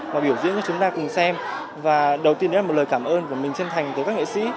mà biểu diễn cho chúng ta cùng xem và đầu tiên đó là một lời cảm ơn của mình chân thành tới các nghệ sĩ